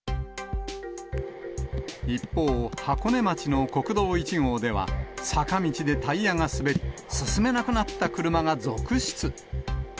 一方、箱根町の国道１号では、坂道でタイヤが滑り、進めなくなった車が続出。